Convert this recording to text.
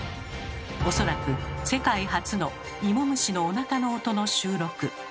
おそらく世界初のイモムシのおなかの音の収録。